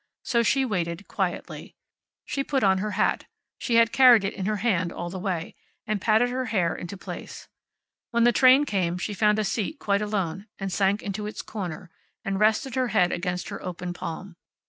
So she waited, quietly. She put on her hat (she had carried it in her hand all the way) and patted her hair into place. When the train came she found a seat quite alone, and sank into its corner, and rested her head against her open palm.